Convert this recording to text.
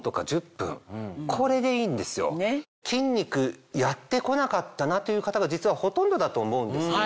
筋肉やってこなかったなという方が実はほとんどだと思うんですね。